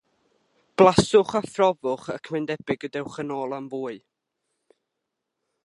Blaswch a phrofwch, ac mae'n debyg y dewch yn ôl am fwy.